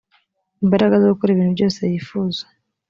imbaraga zo gukora ibintu byose yifuza